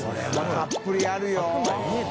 たっぷりあるよ。